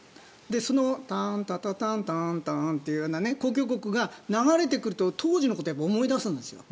そのターンタタタンターンという交響曲が流れてくると当時のことを思い出すんですよ。